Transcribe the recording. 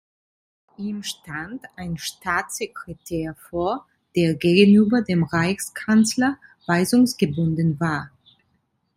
Ihm stand ein Staatssekretär vor, der gegenüber dem Reichskanzler weisungsgebunden war.